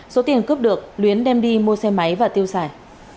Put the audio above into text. số tiền cướp được luyến đem đi mua xe máy và tiêu xài